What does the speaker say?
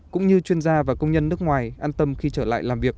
cũng như chuyên gia và công nhân nước ngoài an tâm khi trở lại làm việc